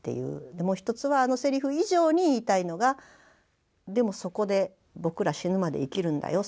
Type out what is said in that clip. もう一つはあのセリフ以上に言いたいのが「でもそこで僕ら死ぬまで生きるんだよ